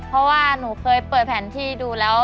เพราะว่าหนูเคยเปิดแผนที่ดูแล้ว